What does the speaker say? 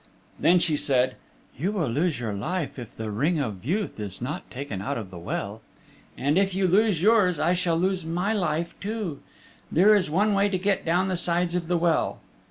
Then she said, "You will lose your life if the Ring of Youth is not taken out of the well. And if you lose yours I shall lose my life too. There is one way to get down the sides of the well.